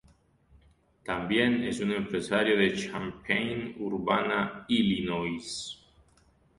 Tambien es un empresario de Champaign-Urbana, Illinois.